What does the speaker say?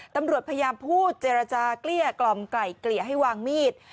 ตำรวจพยายามพูดเจรจาเกลี้ยกล่อมไกล่เกลี่ยให้วางมีด